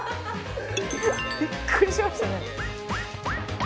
びっくりしましたね。